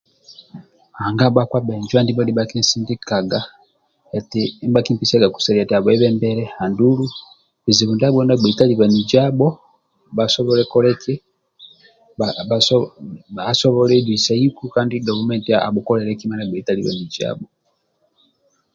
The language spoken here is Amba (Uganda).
Nanga bhakpa bhenjo andibho ndibhakinsidikaga eti ndibha kimpesiaga kusalia eti bijibu ndiabho asobole bisaiku gavumenti abhukolilie kima ndia agbei talabanjabho